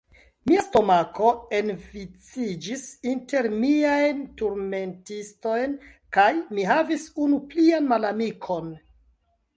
Mia stomako enviciĝis inter miajn turmentistojn, kaj mi havis unu plian malamikon.